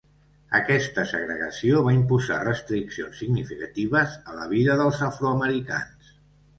Aquesta segregació va imposar restriccions significatives a la vida dels afroamericans.